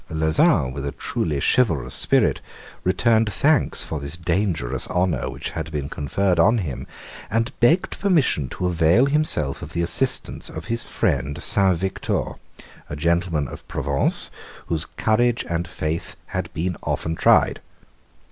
Lauzun, with a truly chivalrous spirit, returned thanks for the dangerous honour which had been conferred on him, and begged permission to avail himself of the assistance of his friend Saint Victor, a gentleman of Provence, whose courage and faith had been often tried.